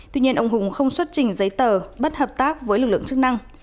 tuy nhiên ông hùng không xuất trình giấy tờ bất hợp tác với lực lượng chức năng